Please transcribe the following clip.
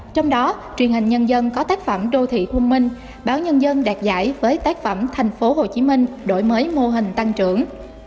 trong đó truyền hình nhân dân có tác phẩm đô thị hôn minh báo nhân dân đạt giải với tác phẩm thành phố hồ chí minh đổi mới mô hình tăng trưởng